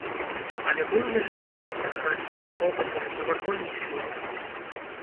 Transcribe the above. Але быў яшчэ ўласна хатні, побытавы, навакольны свет.